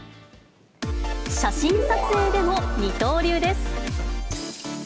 写真撮影でも二刀流です。